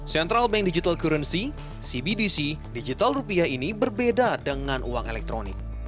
central bank digital currency cbdc digital rupiah ini berbeda dengan uang elektronik